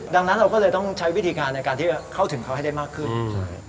ดังนั้นเราก็เลยต้องใช้วิธีการในการที่จะเข้าถึงเขาให้ได้มากขึ้น